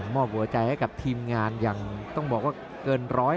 มอบหัวใจให้กับทีมงานอย่างเกินร้อย